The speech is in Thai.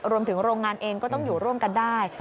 โรงงานเองก็ต้องอยู่ร่วมกันได้